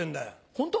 ホント？